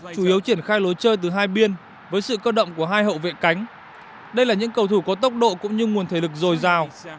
chủ yếu triển khai lối chơi từ hai biên với sự cơ động của hai hậu vệ cánh đây là những cầu thủ có tốc độ cũng như nguồn thể lực dồi dào